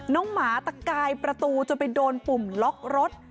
หมาตะกายประตูจนไปโดนปุ่มล็อกรถ